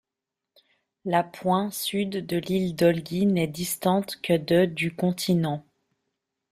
La point sud de l'île Dolgui n'est distante que de du continent.